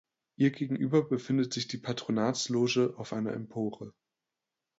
Ihr gegenüber befindet sich die Patronatsloge auf einer Empore.